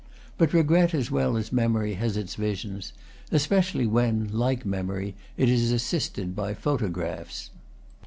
But regret, as well as memory, has its visions; especially when, like memory, it is assisted by photo graphs.